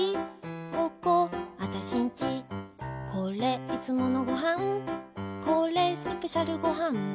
ここ、あたしんちこれ、いつものごはんこれ、スペシャルごはん